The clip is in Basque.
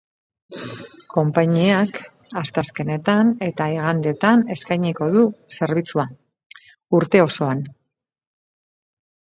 Konpainiak asteazkenetan eta igandetan eskainiko du zerbitzua, urte osoan.